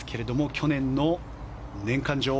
去年の年間女王。